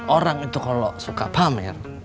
orang itu kalau suka pamer